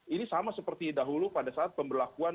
ini sama seperti dahulu pada saat pemberlakuan